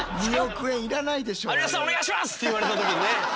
２億円いらないでしょう。